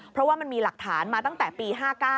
เพราะว่ามันมีหลักฐานมาตั้งแต่ปี๕๙